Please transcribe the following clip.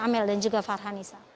amel dan juga farhanisa